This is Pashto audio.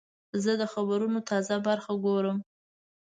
زه د خبرونو تازه برخه ګورم.